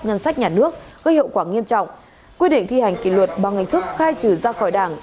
ngân sách nhà nước gây hậu quả nghiêm trọng quy định thi hành kỷ luật bằng hình thức khai trừ ra khỏi đảng